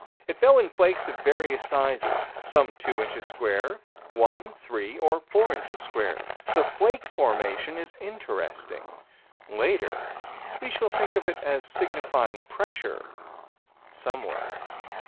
It fell in flakes of various sizes; some two inches square, one, three or four inches square. The flake formation is interesting: later we shall think of it as signifying pressure somewhere.